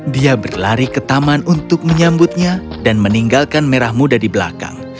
dia berlari ke taman untuk menyambutnya dan meninggalkan merah muda di belakang